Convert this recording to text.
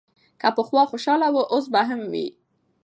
که پخوا خوشاله و، اوس به هم وي.